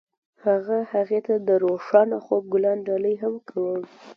هغه هغې ته د روښانه خوب ګلان ډالۍ هم کړل.